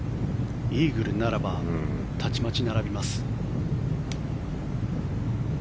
イーグルならばたちまち並びます。